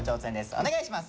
お願いします。